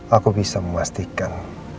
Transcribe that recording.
aku bisa memastikan